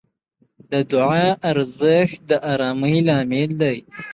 د دعا ارزښت د آرامۍ لامل دی.